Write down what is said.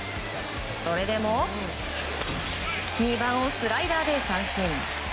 それでも２番をスライダーで三振。